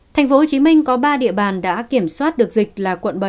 tp hcm có ba địa bàn đã kiểm soát được dịch là quận bảy